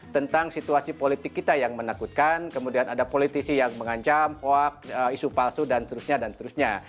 tentang situasi politik kita yang menakutkan kemudian ada politisi yang mengancam hoak isu palsu dan seterusnya dan seterusnya